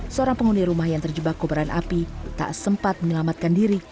seorang penghuni rumah yang terjebak kubaran api tak sempat menyelamatkan diri